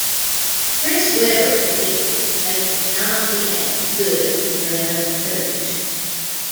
Chris Webber predicted that they would not be as good under another coach.